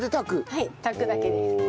はい炊くだけです。